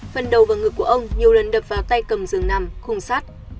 phần đầu và ngực của ông nhiều lần đập vào tay cầm rừng nằm khung sát